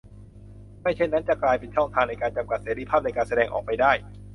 ไม่เช่นนั้นจะกลายเป็นช่องทางในการจำกัดเสรีภาพในการแสดงออกไปได้